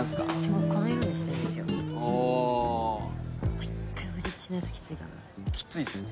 もう１回ブリーチしないときついかなきついっすね